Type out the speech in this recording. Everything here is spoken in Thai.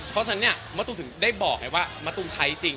เพราะฉะนั้นมาตุมถึงได้บอกมาตุมใช้จริง